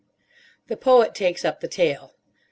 The Poet takes up the tale.